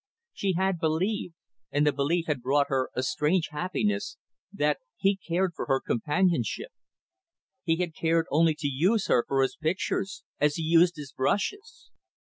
She had believed and the belief had brought her a strange happiness that he had cared for her companionship. He had cared only to use her for his pictures as he used his brushes.